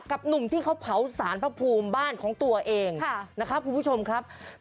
หนุ่มที่เขาเผาสารพระภูมิบ้านของตัวเองนะครับคุณผู้ชมครับ